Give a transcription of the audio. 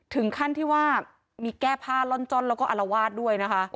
ถึงขั้นที่ว่ามีแก้ผ้าล่อนจ้อนแล้วก็อารวาสด้วยนะคะ